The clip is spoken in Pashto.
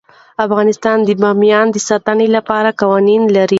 افغانستان د بامیان د ساتنې لپاره قوانین لري.